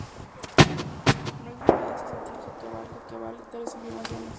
No existe de momento evidencia científica que avale tales afirmaciones.